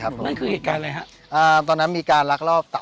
ชื่องนี้ชื่องนี้ชื่องนี้ชื่องนี้ชื่องนี้